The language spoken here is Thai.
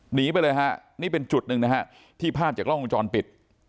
หนีไปเลยฮะนี่เป็นจุดหนึ่งนะฮะที่ภาพจากกล้องวงจรปิด